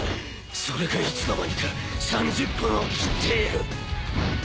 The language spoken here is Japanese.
それがいつの間にか３０分を切っている。